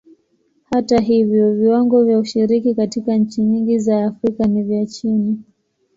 Hata hivyo, viwango vya ushiriki katika nchi nyingi za Afrika ni vya chini.